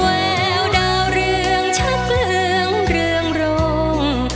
แววดาวเรืองชะเฟืองเรืองรง